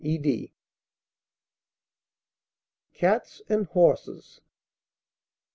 ED. CATS AND HORSES.